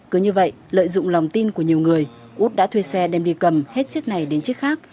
cứ như vậy lợi dụng lòng tin của nhiều người út đã thuê xe đem đi cầm hết chiếc này đến chiếc khác